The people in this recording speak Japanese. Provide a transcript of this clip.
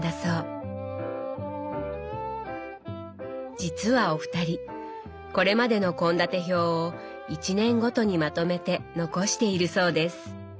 実はお二人これまでの献立表を一年ごとにまとめて残しているそうです。